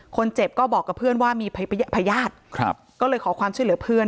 คนเจ็บก็บอกกับเพื่อนว่ามีพญาติก็เลยขอความช่วยเหลือเพื่อน